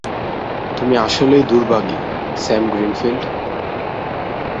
তুমি আসলেই দুর্ভাগী, Sam Greenfield.